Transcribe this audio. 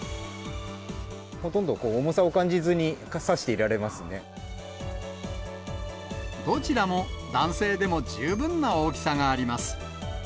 ほとんど重さを感じずに差しどちらも、男性でも十分な大きさがあります。